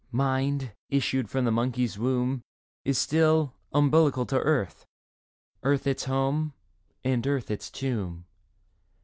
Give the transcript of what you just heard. Mind, issued from the monkey's womb, Is still umbilical to earth, Earth its home and earth its tomb.